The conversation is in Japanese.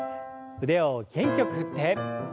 腕を元気よく振って。